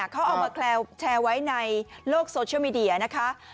เขาเอามาแชร์ไว้ในโลกโซเชียลมีเดียนะคะ